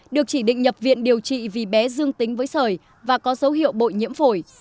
được chỉ định nhập viện điều trị vì bé dương tính với sởi và có dấu hiệu bội nhiễm phổi